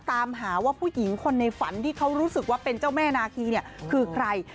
ตามหาว่าผู้หญิงคนในฝันที่เขารู้สึกว่าเป็นเจ้าแม่นาคีเนี่ยคือใคร